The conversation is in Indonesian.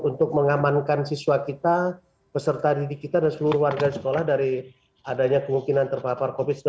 untuk mengamankan siswa kita peserta didik kita dan seluruh warga sekolah dari adanya kemungkinan terpapar covid sembilan belas